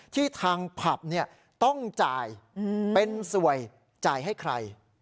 ที่ทางผับต้องจ่ายเป็นสวยจ่ายให้ใคร